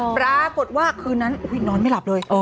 ปรากฏว่าคืนนั้นนอนไม่หลับเลย